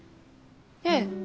ええ。